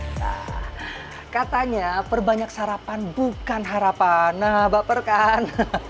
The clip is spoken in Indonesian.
nah katanya perbanyak sarapan bukan harapan nah baper kan